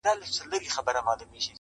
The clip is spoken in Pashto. چي پر سر د دروازې یې سره ګلاب کرلي دینه،